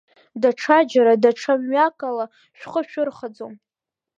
Даҽаџьара, даҽамҩакала шәхы шәырхаӡом!